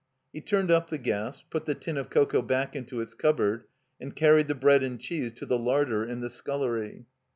He tiimed up the gas, put the tin of cocoa back into its cupboard, and carried the bread and cheese to the larder in the scullery.